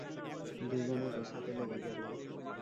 দুজনে গোছাতে লেগে গেল।